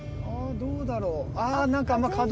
どうだろう。